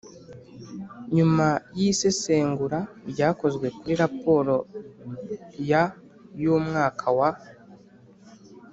Nyuma y isesengura ryakozwe kuri raporo ya y umwaka wa